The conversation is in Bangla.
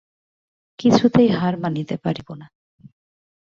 কিছুতেই হার মানিতে পারিব না।